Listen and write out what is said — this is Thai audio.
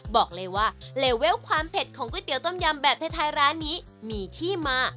บอกเลยว่าเลเวลความเผ็ดของก๋วยเตี๋ต้มยำแบบไทยร้านนี้มีที่มา